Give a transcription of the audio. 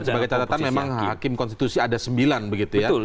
dan sebagai catatan memang hakim konstitusi ada sembilan begitu ya